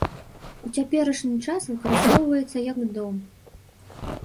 У цяперашні час выкарыстоўваецца як дом.